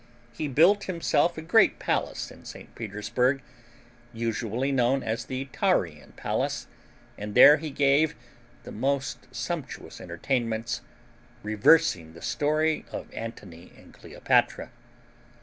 He built himself a great palace in St. Petersburg, usually known as the Taurian Palace, and there he gave the most sumptuous entertainments, reversing the story of Antony and Cleopatra.